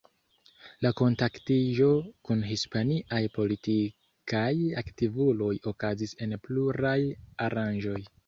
La kontaktiĝo kun hispaniaj politikaj aktivuloj okazis en pluraj aranĝoj.